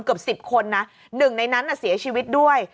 เกือบ๑๐คนนะหนึ่งในนั้นเสียชีวิตด้วย